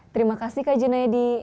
terima kasih kak junaidi